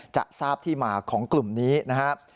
จะทราบที่มาของกลุ่มนี้นะครับ